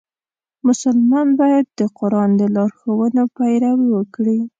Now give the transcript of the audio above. مسلمان باید د قرآن د لارښوونو پیروي وکړي.